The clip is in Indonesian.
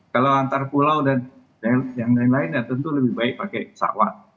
kalau antar pulau dan yang lain lain ya tentu lebih baik pakai sawah